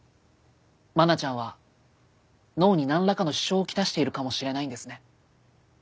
愛菜ちゃんは脳に何らかの支障を来しているかもしれないんですね。